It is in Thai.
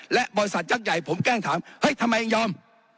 และบริษัทยักษ์ใหญ่ผมแกล้งถามเฮ้ยทำไมยังยอม